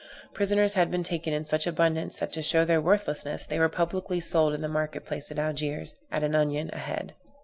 Prisoners had been taken in such abundance, that to show their worthlessness, they were publicly sold in the market place at Algiers, at an onion a head.